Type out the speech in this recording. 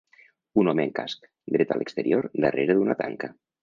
Un home amb casc, dret a l'exterior, darrere d'una tanca.